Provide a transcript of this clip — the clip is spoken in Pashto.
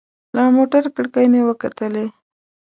له موټر کړکۍ مې وکتلې.